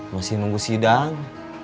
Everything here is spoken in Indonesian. masih nunggu sidang